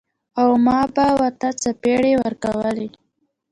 او ما به ورته څپېړې ورکولې.